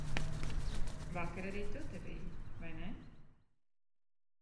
Vakar arī tu te biji, vai ne?